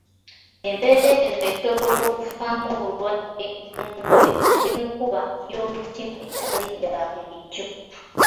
Embeera eno esobola okuvaamu obulwadde bw'omutwe n' enkuba y'omutima etali yabulijjo.